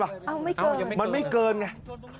อ้าวไม่เกินนะครับมันไม่เกินไง